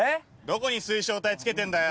どこに水晶体つけてんだよ？